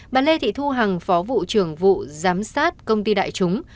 bà lê thị thu hằng phó vụ trưởng vụ giám sát công ty đại chúng